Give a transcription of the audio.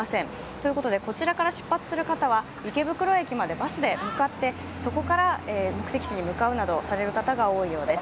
ということでこちらから出発する方は池袋駅までバスで向かってそこから目的地に向かうなどされる方が多いようです。